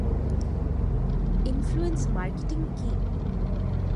Influence marketing key?